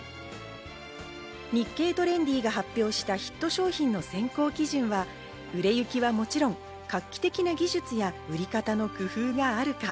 『日経トレンディ』が発表したヒット商品の選考基準は、売れ行きはもちろん、画期的な技術や売り方の工夫があるか。